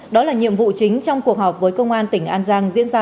đó là nhiệm vụ chính trong cuộc họp với công an tỉnh an giang